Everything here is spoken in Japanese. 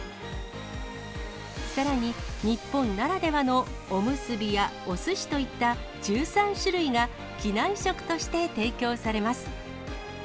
さらに、日本ならではのおむすびやおすしといった１３種類が、機内食として提供されます。